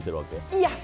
いや！